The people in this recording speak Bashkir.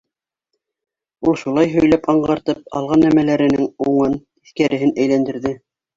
— Ул шулай һөйләп аңғартып, алған нәмәләренең уңын-тискәреһен әйләндерҙе.